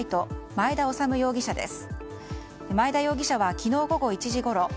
前田修容疑者です。